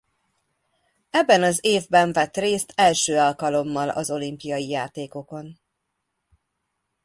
Ebben az évben vett részt első alkalommal az olimpiai játékokon.